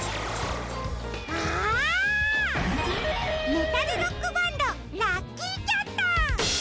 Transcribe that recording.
メタルロックバンドラッキーキャット！